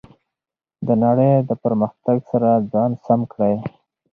د نړۍ د پرمختګ سره ځان سم کړئ.